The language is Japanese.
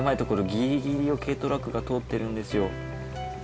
ギリギリを軽トラックが通ってるんですよ